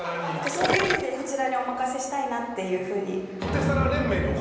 そういう意味でこちらにお任せしたいなっていうふうに。